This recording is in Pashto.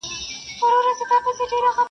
هر زړه پټ درد ساتي تل,